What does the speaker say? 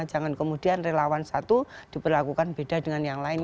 jangan kemudian relawan satu diperlakukan beda dengan yang lain